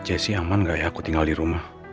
jasi aman gak ya aku tinggal dirumah